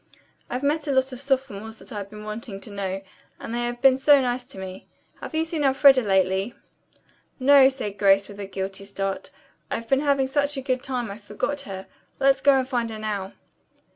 "I've met a lot of sophomores that I've been wanting to know, and they have been so nice to me. Have you seen Elfreda lately?" "No," said Grace with a guilty start. "I've been having such a good time I forgot her. Let's go and find her now."